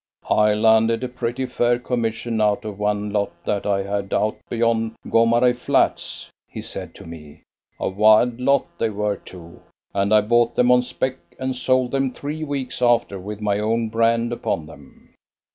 "I landed a pretty fair commission out of one lot that I had out beyond Gomaree Flats," he said to me, "a wild lot they were too, and I bought them on spec and sold them three weeks after with my own brand upon them."